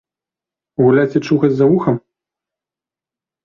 Гуляць і чухаць за вухам?